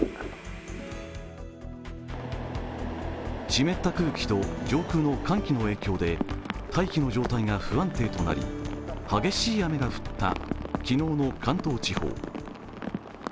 湿った空気と上空の寒気の影響で大気の状態が不安定となり激しい雨が降った昨日の関東地方。